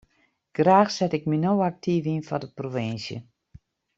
Graach set ik my no aktyf yn foar de provinsje.